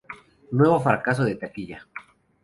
Nuevo fracaso de taquilla.